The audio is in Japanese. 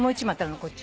こっち。